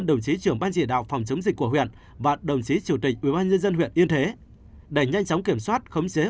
ubnd huyện yên thế đẩy nhanh chóng kiểm soát khống chế